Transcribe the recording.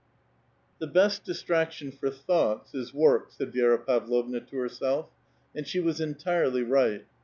The best distraction for thoughts is work," said Vi^ra avlovna to herself, and .she was entirely right.